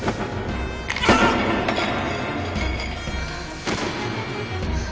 あっ！